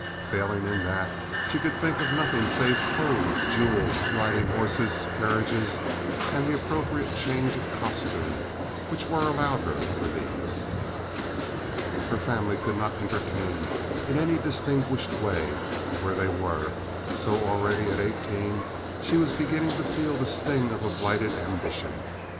Failing in that, she could think of nothing save clothes, jewels, riding horses, carriages, and the appropriate changes of costume which were allowed her for these. Her family could not entertain in any distinguished way where they were, and so already, at eighteen, she was beginning to feel the sting of a blighted ambition.